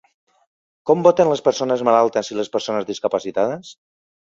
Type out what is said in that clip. Com voten les persones malaltes i les persones discapacitades?